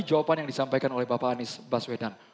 jawaban yang disampaikan oleh bapak anies baswedan